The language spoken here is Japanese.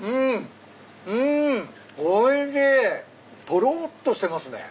とろっとしてますね。